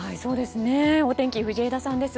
お天気、藤枝さんです。